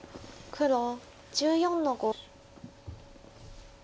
黒１４の五。